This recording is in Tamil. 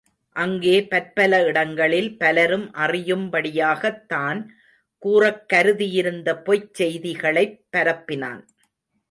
அங்கே பற்பல இடங்களில் பலரும் அறியும்படியாகத் தான் கூறக் கருதியிருந்த பொய்ச் செய்திகளைப் பரப்பினான்.